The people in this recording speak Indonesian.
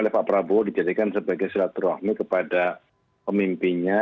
pak prabowo dijadikan sebagai selatur rahmi kepada pemimpinnya